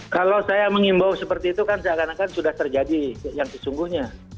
kalau saya mengimbau seperti itu kan seakan akan sudah terjadi yang sesungguhnya